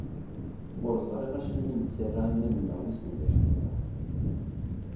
Ur ẓriɣ acimi i nettarra iman-nneɣ wissen d acu-aɣ.